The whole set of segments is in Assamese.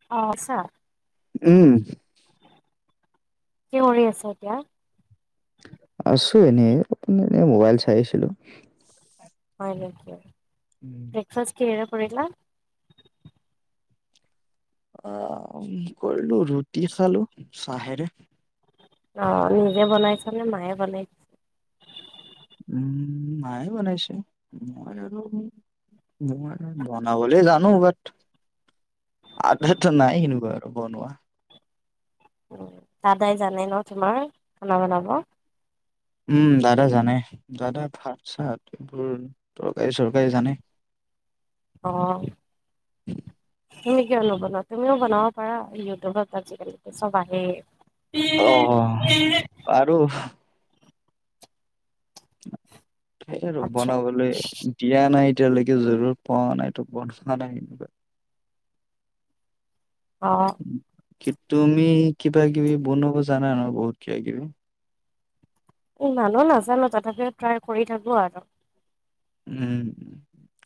[unintelligible] উম। কি কৰি আছা এতিয়া? আছো এনেই এনে মোবাইল চাই আছিলো। হয় নেকি? উম। ব্ৰেকফাষ্ট কি'হেৰে কৰিলা? আহ, কৰিলো ৰুটি খালো চাহেৰে। অ' নিজে বনাইছানে মায়ে বনাই উম, মায়ে বনাইছে। মই বনাবলে জানো। বাট [unintelligible] নাই সেনেকুৱা আৰু বনোৱা। উম! দাদাই জানে ন' তোমাৰ খানা বনাব? উম, দাদা জানে, দাদা ভাত-চাত এইবোৰ তৰকাৰী-চৰকাৰী জানে। অ'। তুমি কিয় নবনাৱা তুমিও বনাব পাৰা ইউটিউবত আজিকালি চব আহেই। অ', পাৰোঁ। সেই আৰু আচ্ছা বনাবলে দিয়া নাই এতিয়ালৈকে জৰুৰ পোৱা নাইতো [unintelligible] অ'। কি তুমি কিবা-কিবি বনাব জানা ন' বহুত কিবা-কিবি? ইমানো নাজানো তথাপি ট্ৰাই কৰি থাকো আৰু। উম,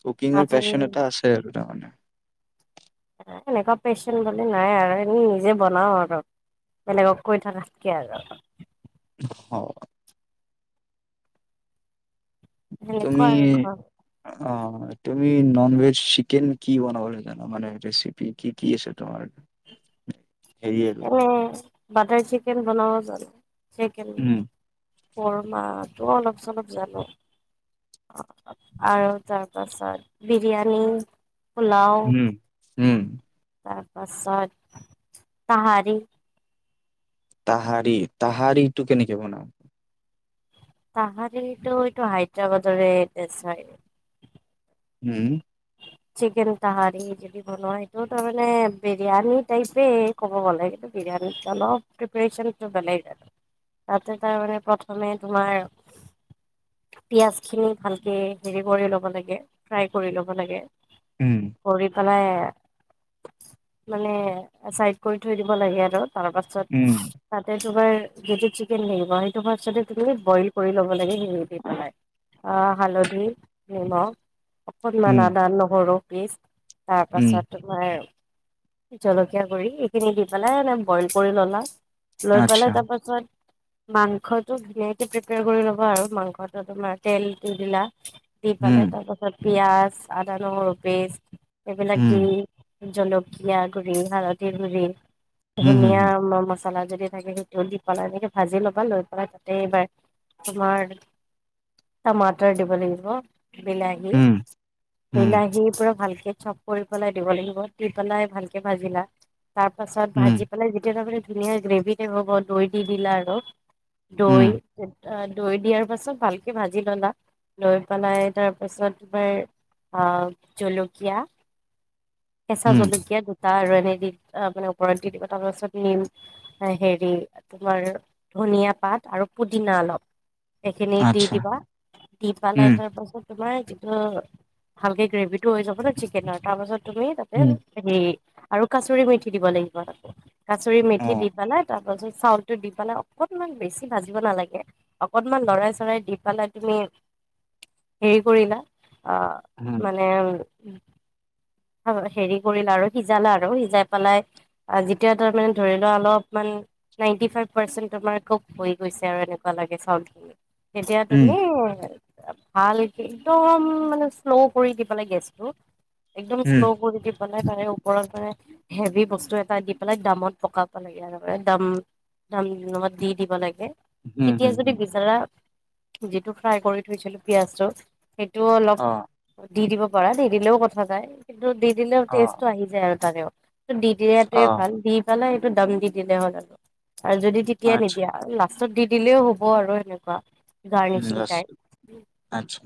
কুকিংৰ আজি পেশ্বন এটা আছে আৰু তাৰমানে। এনেকুৱা পেশ্বন বুলি নাই আৰু এনে নিজে বনাও আৰু। বেলেগক কৈ থাকাতকে আৰু। অঁ। তুমি সেনেকুৱা আৰু ঘৰত অ' তুমি নন ভেজ চিকেন কি বনাবলে জানা? মানে ৰেচেপি কি কি আছে তোমাৰ? [unintelligible] হেৰি আৰু এনে বাটাৰ চিকেন বনাব জানো চিকেন [unintelligible] উম, সেইটোও অলপ চলপ জানো। আৰু তাৰপাছত বিৰিয়ানী পোলাও উম, উম, তাৰপাছত তাহাৰি। তাহাৰি তাহাৰিটো কেনেকে বনাও? তাহাৰি এইটো এইটো হাইদ্ৰবাদৰে দেছ হয়। হম। চিকেন তাহাৰি যদি বনোৱাই এইটো তাৰমানে বিৰিয়ানী টাইপে। ক'ব গ'লে এইটো বিৰিয়ানী অলপ প্ৰিপ্যেচনটো বেলেগ আৰু। তাতে তাৰমানে প্ৰথমে তোমাৰ পিঁয়াজখিনি ভালকে হেৰি কৰি ল'ব লাগে, ফ্ৰাই কৰি ল'ব লাগে। ওম। কৰি পেলাই মানে চাইড কৰি থৈ দিব লাগে আৰু তাৰ পাছ ছত উম, তাতে তোমাৰ [unintelligible] চিকেন থাকিব তোমাৰ সেইটো হোৱাৰ পাছতে তুমি বইল কৰি ল'ব লাগে [unintelligible] দি পেলাই অহ হালধি, নিমখ অকনমান উম, আদা, নহৰু পিচ তাৰ উম, পাছত তোমাৰ জলকীয়া গুড়ি এইখিনি দি পেলাই এনে বইল কৰি ললা। লৈ আচ্ছা, পেলাই তাৰপাছত মাংসটো ধুনীয়কে প্ৰিপেয়াৰ কৰি ল'বা আৰু মাংসটো তোমাৰ তেল দি দিলা। দি উম, পেলাই তাৰ পাছত পিয়াজ, আদা, নহৰু পেষ্ট এইবিলাক উম, দি জলক কীয়া গুড়ি, হালধিৰ গুড়ি, হুম, হুম, ধনিয়া হুম, ম মচ চলা যদি থাকে সেইটোও দি পেলাই এনেকে ভাজি ল'বা লৈ পেলাই তাতে এইবাৰ তোমাৰ টামাটৰ দিব লাগিব। বিলাহী, উম, উম, বিলাহী পুৰা ভালকে চফ কৰি পেলাই দিব লাগিব। টিপ পেলাই ভালকে ভাজিলা। তাৰ পাছত উম, ভাজি পেলাই যেতিয়া তাৰমানে ধুনীয়া গ্ৰেভি টাইপ হ'ব দৈ দি দিলা আৰু। দৈ, উম, দৈ দিয়াৰ পাছত ভাল কে ভাজি ললা লৈ পেলাই তাৰপাছত তোমাৰ আহ জলকীয়া চা উম, জলকীয়া দুটা আৰু এনেদিন মানে ওপৰত দি দিবা তাৰপাছত নিম হেৰি তোমাৰ ধুনীয়া পাত আৰু পুদিনা অলপ। এইখিনি দি আচ্ছা, দিবা, দি পেলাই উম, তাৰ পাছত তোমাৰ যিটো ভালকে গ্ৰেভিটো হৈ যাব ন চিকেনৰ তাৰ পাছত তুমি তাতে উম, হেৰি আৰু কাচৰি মেথি দিব লাগিব ততে কাচৰি মেথি অ', দি পেলাই তাত ৰলছত চাউলতটো দি পেলাই অকনমান বেছি ভাজিব নালাগে। অকনমান লৰাই চৰাই দি পেলাই তুমি হেৰি কৰিলা আ উম, মানে উ হেৰি কৰিলা আৰু সিজালা আৰু সিজাই পেলাই। যেতিয়া তাৰ মানে ধৰি লোৱা অলপমান নাইটি ফাইভ পাৰ্চে তোমাৰ কুক হৈ গৈছে আৰু এনেকুৱা লাগে চাউলখিনি। তেতিয়া উম, তুমি ভালকে একদম মানে শ্ল কৰি দি পেলাই গেছটো একদম উম, শ্লহ কৰি দিব পানে পানে ওপৰত মানে হেভি বস্তু এটা দি পেলাই দামত পকাব লাগে আৰু দাম ধাম অমত দি দিব লাগে। হুম, তেতিয়া হুম, যদি হুম, বিচাৰা যিটো ফ্ৰাই কৰি থৈছিলো পিয়াজটো। সেইটো অলপ অ', দি দিব পাৰা দি দিলেও কথা যায় কিন্তু দি দিলেও অ', টেষ্টটো আহি যে আৰু তাৰেও দি দিয়াতেও অ'। ভাল দি পেলাই সেইটো দাম দি দিলে হ'ল আৰু আৰু যদি তেতিয়া আচ্ছা নিদিয়া আৰু লাষ্টত দি দিলেও হ'ব আৰু সেনেকুৱা উম গাৰ্নিচিং ৰাস- টাইপ আচ্ছা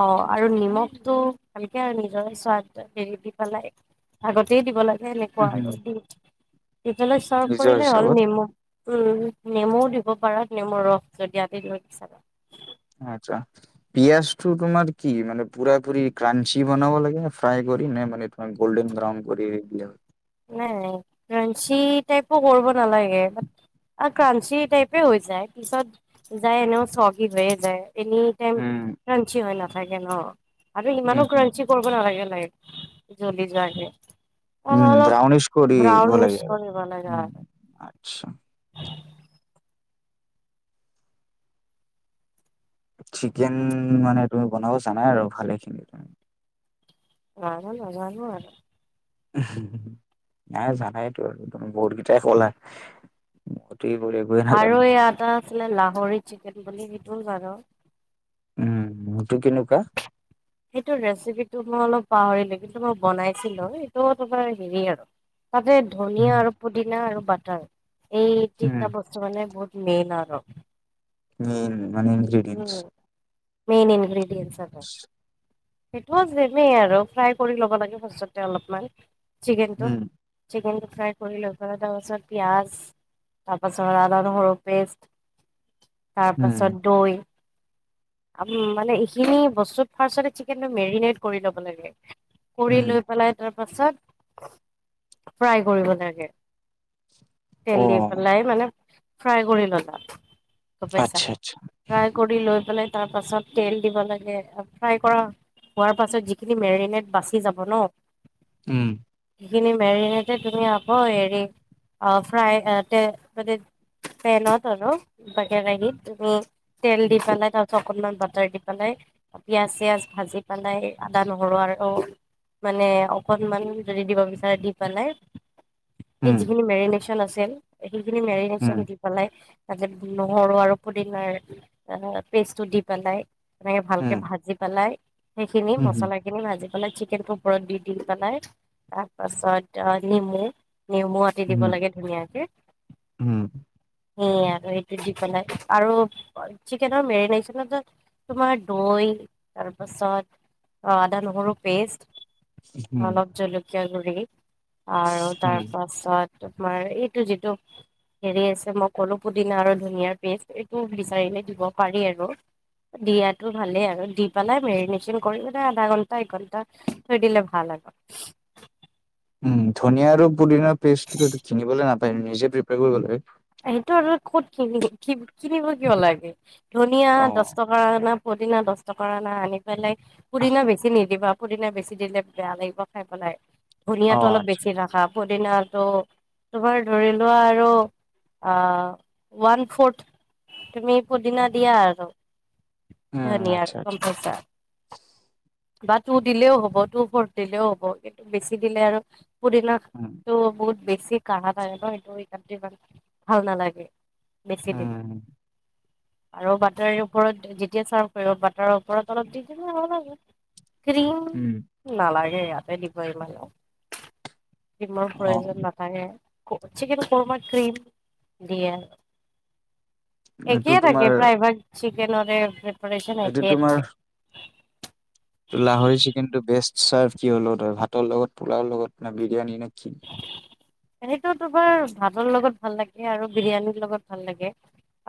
অ আৰু নিমখটো ভালকে [unintelligible] হেৰি দি পেলাই, আগতে দিব লাগে। চোৱা হুম, আৰু দিপেলেই চাৰ্ভ নিজৰ কৰিলে হ'ল হিচাপত নেমু। উম, নেমুও দিব পাৰা নেমু ৰস যদি আতি দিব বিচাৰা। আচ্ছা। পিয়াজটো তোমাৰ কি মানে পুৰা পুৰি ক্ৰাঞ্চি বনাব লাগে, ফ্ৰাই কৰি, নে মানে গ'ল্ডেন ব্ৰউন কৰি দিলে হয়। নাই নাই, ক্ৰানঞ্চি টাইপো কৰিব নালাগে। আৰু ক্ৰাঞ্চি টাইপে হৈ যায়, পিছত যায় এনেও চগী হৈয়ে যায়। এনিটাইম উম ক্ৰাঞ্চি হৈ নাথাকে ন' আৰু ইমানো ক্ৰাঞ্চি কৰ ত' নালাগে নালাগে জলি যোৱাকে। অ উম, অলপ ব্ৰাউনিছ কৰিব ব্ৰাউনিছ লাগে কৰিব লাগে উম, আৰু আচ্ছা। চিকেন মানে তুমি বনাব জানাই আৰু ভালেখিনি তুমি। সিমানো নাজানো আৰু। উম, নাই জানায়েতো আৰু তুমি বহুত কেইটায়ে কলা। [unintelligible] আৰু এই এটা আছিলে লাহৰি চিকেন বুলি সেইটো বাৰু। উম, সেইটো কেনেকুৱা? [unintelligible] সেইটো ৰেচিপিটো মই অলপ পাহৰিলোঁ, কিন্তু মই বনাইছিলোঁ। সেইটো তোমাৰ হেৰি আৰু। তাতে ধনিয়া উম আৰু পুদিনা আৰু বাটাৰ এই উম, তিনিটা বস্তু মানে বহুত মেইন আৰু। মেইন মানে ইনগ্ৰেডিয়েন্টচ উম, মেইন ইংগ্ৰিদিয়েঞ্চ আৰু। সেইটোও চেমেই আৰু ফ্ৰাই কৰি ল'ব লাগে, ফাৰ্ষ্টটৈ অলপমান চিকেনটো উম চিকেনটো ফ্ৰাই কৰি লৈ পেলাই তাৰপাছত পিয়াজ তাৰপাছত আদা নহৰু পেষ্ট। উম তাৰপাছত দৈ, মানে এইখিনি বস্তুত ফাৰ্ষ্টটে সেইকাৰণে মেৰিনেট কৰি ল'ব লাগে, কৰি উম লৈ কৰি পেলাই তাৰপাছত ফ্ৰাই কৰিব লাগে। অ তেল দি পেলাই মানে ফ্ৰাই কৰি ল'লা গম পাইছা। আচ্ছা আচ্ছা ফ্ৰাই কৰি লৈ পেলাই তাৰপাছত তেল দিব লাগে আৰু ফ্ৰাই কৰা হোৱাৰ পাছত যিখিনি মেৰিনেট বাচি যাব ন' উম। সিখিনি মেৰিনেটে তুমি আকৌ হেৰি অহ, ফ্ৰাই এ তে-তাতে পেনত আৰু বা কেৰাহিত তুমি তেল দি পেলাই তাৰপিছত অকনমান বাটাৰ দি পেলাই, পিঁয়াজ-চিয়াজ ভাজি মানে আদা নহৰু আৰু অ মানে অকনমান যদি দিব বিচাৰে, দি পেলাই। সেই উম যিখিনি মেৰিনেচন আছিল, সেইখিনি মেৰিনেচন উম দি পেলাই, তাতে নহৰু আৰু পুদিনাৰ পেষ্টটো দি পেলাই। তেনেকে উম ভালকে ভাজি পেলাই, সেইখিনি উম মচলা গোটেইখিনি ভাজি পেলাই, চিকেন ওপৰত দি দি পেলাই। তাৰপাছত অহ নেমু, নেমু আটি দিব উম লাগে ধুনীয়াকে। [unintelligible] উম সেয়ে আৰু সেইটো দি পেলাই আৰু চিকেনৰ মেৰিনেচনত তোমাৰ দৈ তাৰপাছত অ আদা নহৰুৰ পেষ্ট, উম অলপ জলক কীয়া গুৰি আৰু উম তাৰ পাছত তোমাৰ এইটো যিটো হেৰি আছে মই ক'লো পুদিনা আৰু ধুনীয়াৰ পেষ্ট এইটো বিচাৰিলে দিব পাৰি আৰু। দিয়াতো ভালে আৰু দি পেলাই মেৰিনেশন কৰি মানে আধা ঘন্টা এক ঘন্টা থৈ দিলে ভাল আৰু। উম ধুনীয়া আৰু পুদিনাৰ পেষ্টটো কিনিবলৈ নাপায় নিজে প্ৰিপিয়াৰ কৰিব লাগে। সেইটো আৰু ক'ত কিনি কি কিনিব কিব লাগে, ধুনীয়া অ দহ টকা অনা, পুদিনা দহ টকাৰ অনা, আনি পেলাই পুদিনা বেছি নিদিবা পুদিনা বেছি দিলে বেয়া লাগিব খাই পেলাই, অ ধুনীয়াটো অলপ আচ্ছা বেছি ৰাখা পুদিনাটো তোবাৰ ধৰি লোৱা আৰু অ ওৱান ফৰ্থ তুমি পুদিনা দিয়া আৰু। উম আচ্ছা ধুনীয়াৰ আচ্ছা কম্পচাৰ বা টু দিলেও হ'ব, টু ফৰ্থ দিলেও হ'ব, কিন্তু বেছি দিলে আৰু পুদিনা উম। টো বহুত বেছি কাঢ়া লাগে ন সেইটো [unintelligible] ইমান ভাল নালাগে বেছি দিলে। উম আৰু বাটাৰৰ ওপৰত যেতিয়া চাৰ্ভ কৰিবা বাটাৰৰ ওপৰত অলপ দি দিব লাগে। ক্ৰীম উম নালাগে ইয়াতে দিব ইমান, ক্ৰীমৰ অ প্ৰয়োজন না নালাগে, চিকেন কৰমা ক্ৰিম দিয়ে। এইটো একেই তোমাৰ থাকে, প্ৰায়ভাগ চিকেনৰে প্ৰিপেৰেচন এইটো একেই থাকে। ত লাহৰি চিকেনটো বেষ্ট চাৰ্ভ কি হ'ল তই ভাতৰ লগত, পোলাওঁ লগত, নে বিৰিয়ানী নে কি এনেতো তোমাৰ ভাতৰ লগত ভাল লাগে আৰু বিৰিয়ানীৰ লগত ভাল লাগে।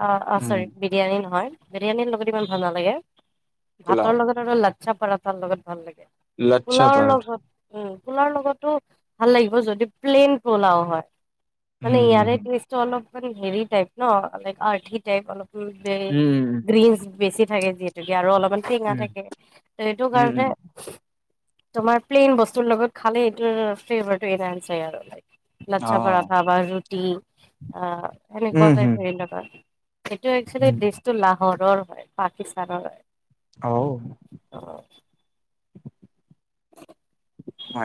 অ অ উম চৰি বিৰিয়ানী নহয় বিৰিয়ানীৰ লগত ইমান ভাল নালাগে। পোলাও ভাতৰ লগত লচ্ছা পাৰঠাৰ লগত ভাল লাগে, লাচ্ছা পোলওৰ পৰঠা লগত উম পোলাওৰ লগতো ভাল লাগিব যদি প্লেইন পোলাও হয়। মানে উম উম ইয়াৰেটো [unintelligible] অলপান হেৰি টাইপ ন আৰ্থি টাইপ অলপ উ বে উম গ্ৰীনছ বেছি থাকে যিহেতুকে আৰু অলপমান টেঙা উম থাকে, ত সেইটো উম উম উম কাৰণে উম তোমাৰ প্লেইন বস্তুৰ লগত খালে এইটো ফ্লেভাৰটো ইনহেঞ্চ হয় আৰু অ লচ্ছা পৰাঠা বা ৰুটি আহ উম সেনেকুৱাটাই হম হেৰি লগত। এইটো উম একচোয়েলি দিছ টো লাহোৰৰ হয়, পাকিস্তানৰ হয়। অও। ত'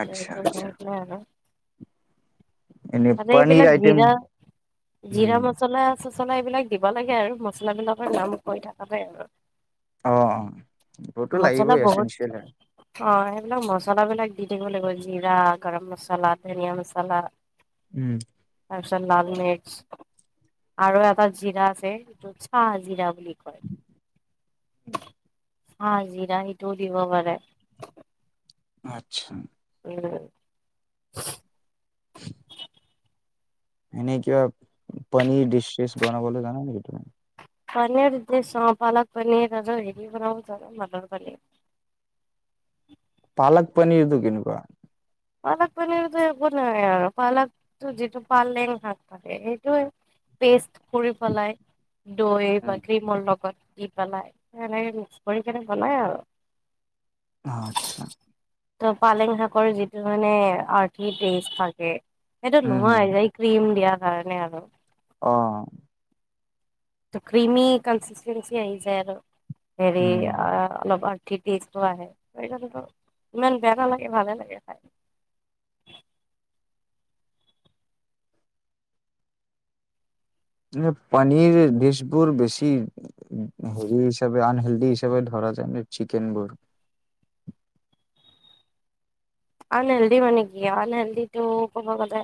আচ্ছা আচ্ছা এনে তাতে পনীৰ এইবিলাক আইটেম জিৰা জিৰা উম, মছলা-চচলা এইবিলাক দিব লাগে আৰু মছলা বিলাকৰ নাম হৈ থাকতে আৰু [unintelligible] অ ৰ'দটো মছলা লাগিবই বহুত এচেঞ্চিয়েল হয়। অ এইবিলাক মছলাবিলাক দি থাকিব লাগিব জিৰা, গৰম মছলা, ধনিয়া মছলা, উম। তাৰপিছত লালমিৰ্চ আৰু এটা জৰা আছে যিটো চা জিৰা বুলি কয়। চা জিৰা সিটোও দিব পাৰে। আচ্ছা। উম। [unintelligible] এনেই কিবা পনীৰ ডিছ চিছ বনাবলৈ জানা নেকি তুমি? পনীৰ [unintelligible] অ পালক পনীৰ তাৰপিছত হেৰি বনাব জানো মটৰ পনীৰ। পালক পনীৰটো কেনেকুৱা? পালক পানীৰতো একো নাই আৰু পালাকটো যিটো পালেং শাক থাকে সেইটোৱে। পেষ্ট কৰি পেলাই দৈ বা ক্ৰীমৰ লগত। দি পেলাই সেনেকে মিক্স কৰিকেনে বনাই আৰু। আচ্ছা। ত পালেং শাকৰ যিটো মানে আৰ্থিক টেষ্ট থাকে সেইটো উম, হুম, নোহোৱা হৈ হুম। যায়। ক্ৰিম দিয়াৰ কাৰণে আৰু। অ। ক্ৰিমি কন্সিষ্টেঞ্চি আহি যাই আৰু হেৰি উম, আ অলপ ঠি টেষ্টটো আহে, তাৰপিছত এইটো ইমান বেয়া নালাগে ভালে লাগে খাই। পনীৰ দিছবোৰ বেছি হেৰি হিচাপে আনহেল্দি হিচাপে ধৰা যায় যে চিকেন বোৰ। আনহেলদি মানে কি আনহেলদিটো ক'ব গলে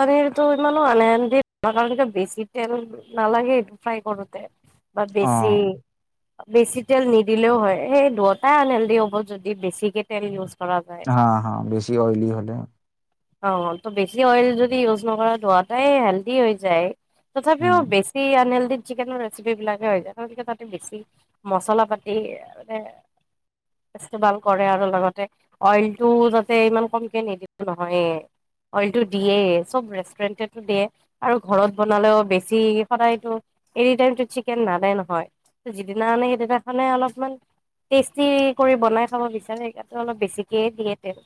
পনীৰটো ইমানো আনহেলদি আমাৰ কাৰণ বেছি তেল নালাগেটো ফ্ৰাই কৰোতে, বা বেছি অ', বেছি তেল নিদিলেওঁ হয়, সেই দুয়োটাই আনহেল্ডি হ'ব যদি বেছিকে তেল ইউজ কৰা যায়ম হা হা বেছি অইলি হলে। অ ত বেছি অইল যদি ইউজ নকৰা দুৱাটাই হেল্ডি হৈ যায়, তথাপিও উম, বেছি বেছি আনহেলদি চিকেনৰ ৰেচিপি বিলাকে হৈ যায় কাৰণ কিয়‌ তাতে বেছি মচলা পাতি মানে ইস্তমাল কৰে আৰু লগতে অইলটো যাতে ইমান কমকে নিদলেও হয়ে অইলটো দিয়ে চব ৰেষ্টুৰেণ্টতে দিয়ে। আৰু ঘৰত বনালেও বেছি সদায়তো এনি টাইমতো চিকেন নানে নহয়। যিদিনা আনে সেইদিনাখনে অলপমান টেষ্টি কৰি বনাই খাব বিচাৰে সেই কাৰণে অলপ বেছিকৈ দিয়ে তেল।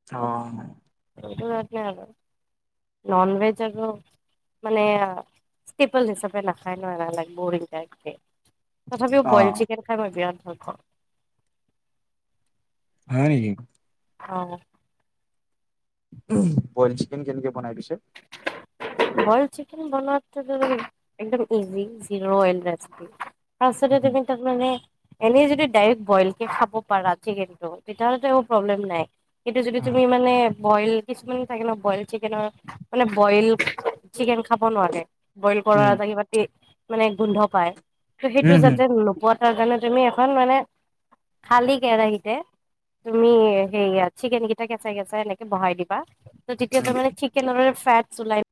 অহ। এইটো কাৰণে আৰু, নন ভেজ আৰু মানে আ চিম্পল হিচাপে নাখায় ন এনেকে লাইক বৰিং টাইপ কে। তথাপিও বইল অ', চিকেন খাই মই বিৰাট ভাল পাওঁ। হয় নেকি? অহ। বইল চিকেন কেনেকে বনাই পিছে? বইল চিকেন বনোৱাটো তোৰ একদম ইজি জিৰ অইলৰেচপি। তাৰপিছতে তুমি তাত মানে এনেই যদি ডাইৰেক্ট বইল কে খাব পাৰা চিকেনটো তেতিয়া হ'লেটো একো প্ৰব্লেম নাই। কিন্তু যদি তুমি মানে বইল কিছুমান থাকে ন বইল চিকেনৰ মানে বইল চিকেন খাব নোৱাৰে বইল কৰা এটা কিবা তে মানে গোন্ধ পায়। ত' সেইটো যাতে নোপোৱা তাৰ কাৰণে তুমি এখন মানে খালি কেৰাহীতে তুমি সেইয়া চিকেন কেইটা কেঁচা কেঁচাই এনেকে বহাই দিবা। ত' তেতিয়া তাৰমানে চিকেনৰে ফেটছ ওলাই